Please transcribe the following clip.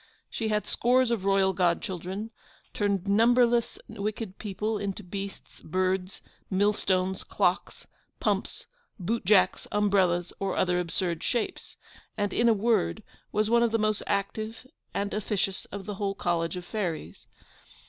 She had scores of royal godchildren; turned numberless wicked people into beasts, birds, millstones, clocks, pumps, boot jacks, umbrellas, or other absurd shapes; and, in a word, was one of the most active and officious of the whole College of fairies.